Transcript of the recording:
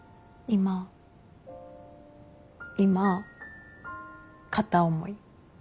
今片思い。